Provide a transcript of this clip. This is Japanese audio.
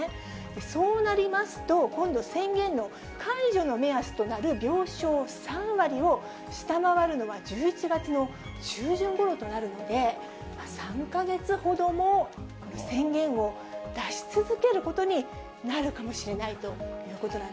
そうなりますと、今度、宣言の解除の目安となる病床３割を下回るのは１１月の中旬ごろとなるので、３か月ほども宣言を出し続けることになるかもしれないということ